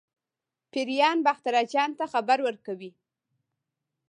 پیریان باختر اجان ته خبر ورکوي.